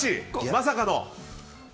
まさかの。